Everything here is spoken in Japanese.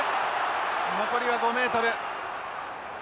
残りは５ｍ。